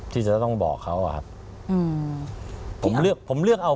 ที่จะต้องบอกเขาครับ